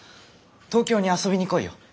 東京に遊びに来いよ。